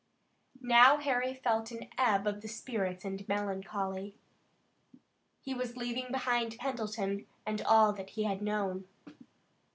Now Harry felt an ebb of the spirits and melancholy. He was leaving behind Pendleton and all that he had known.